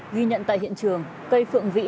ghi nhận tại hiện trường cây phượng vĩ